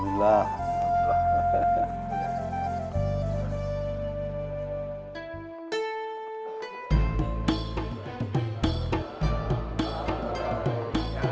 jalani jadi salam salam